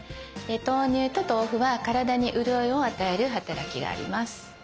豆乳と豆腐は体にうるおいを与える働きがあります。